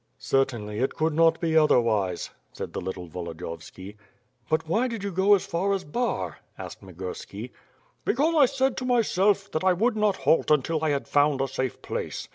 "Certainly, it could not be otherwise," said the little Volo diyovski. "But why did you go as far as Bar?" asked Migurski. "Because I said to myself, that I would not halt until I had found a safe place.